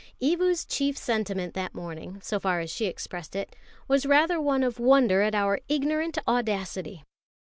Evu's chief sentiment that morning, so far as she expressed it, was rather one of wonder at our ignorant audacity.